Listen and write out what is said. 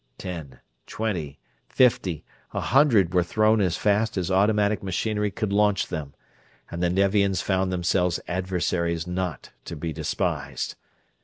Ten, twenty, fifty, a hundred were thrown as fast as automatic machinery could launch them; and the Nevians found themselves adversaries not to be despised.